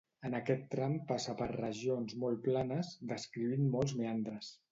En aquest tram passa per regions molt planes, descrivint molts meandres.